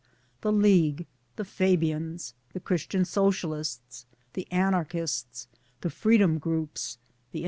the League, the Fabians, the Christian Socialists, the Anarchists, the Freedom groups, the I.L.